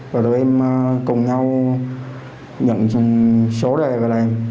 rồi tụi em cùng nhau nhận số đề và làm